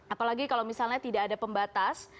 apalagi kalau misalnya tidak ada pembatas